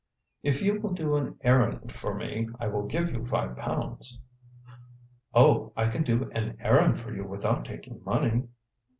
"If you will do an errand for me I will give you five pounds." "Oh, I can do an errand for you without taking money."